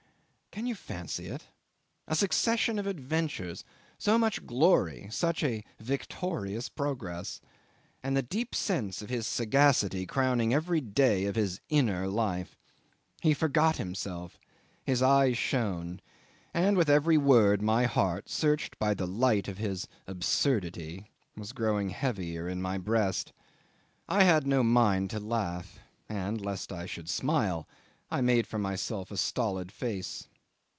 Can you fancy it? A succession of adventures, so much glory, such a victorious progress! and the deep sense of his sagacity crowning every day of his inner life. He forgot himself; his eyes shone; and with every word my heart, searched by the light of his absurdity, was growing heavier in my breast. I had no mind to laugh, and lest I should smile I made for myself a stolid face.